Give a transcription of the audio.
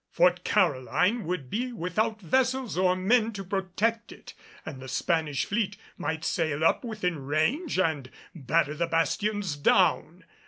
Fort Caroline would be without vessels or men to protect it, and the Spanish fleet might sail up within range and batter the bastions down.